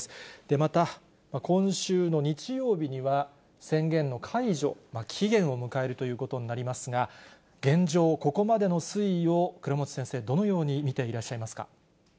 また今週の日曜日には、宣言の解除、期限を迎えるということになりますが、現状、ここまでの推移を、倉持先生、どのように見ていらっしゃいますか。